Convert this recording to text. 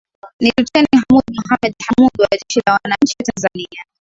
Ni Luteni Hamoud Mohammed Hamoud wa Jeshi la Wananchi wa Tanzania